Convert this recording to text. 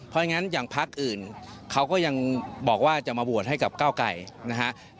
เพราะฉะนั้นอย่างพักอื่นเขาก็ยังบอกว่าจะมาโหวตให้กับก้าวไก่นะฮะ